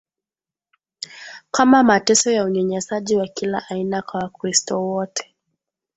kama mateso ya unyanyasaji wa kila aina kwa wakristo wote